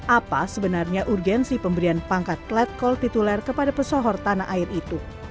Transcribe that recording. apa sebenarnya urgensi pemberian pangkat letkol tituler kepada pesohor tanah air itu